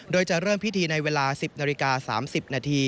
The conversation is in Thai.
โดยจะเริ่มพิธีในเวลา๑๐น๓๐น